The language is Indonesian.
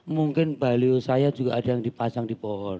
mungkin baliho saya juga ada yang dipasang di pohon